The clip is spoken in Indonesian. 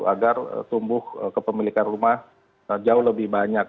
agar tumbuh kepemilikan rumah jauh lebih banyak